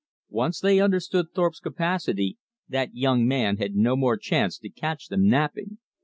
Once they understood Thorpe's capacity, that young man had no more chance to catch them napping.